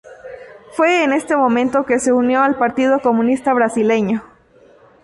Fue en este momento que se unió al Partido Comunista Brasileño.